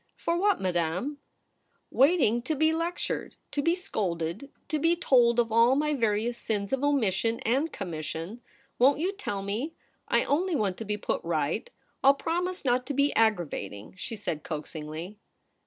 ' For what, Madame ?'' Waiting to be lectured ; to be scolded ; to be told of all my various sins of omission and commission. Won't you tell me ? I only want to be put right. I'll promise not to be aggravating,' she said coaxingly.